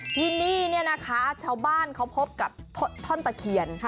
ที่นี่เนี่ยนะคะชาวบ้านเขาพบกับท่อนตะเคียน